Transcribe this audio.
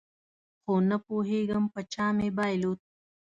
خو نپوهېږم په چا مې بایلود